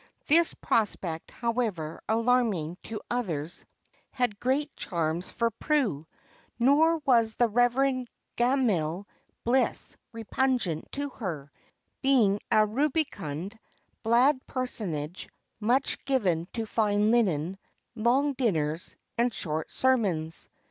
This prospect, however alarming to others, had great charms for Prue; nor was the Reverend Gamaliel Bliss repugnant to her, being a rubicund, bland personage, much given to fine linen, long dinners, and short sermons.